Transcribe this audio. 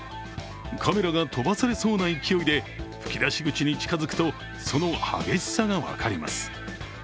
カメラが飛ばされそうな勢いで、噴き出し口に近づくと、その激しさが分かります。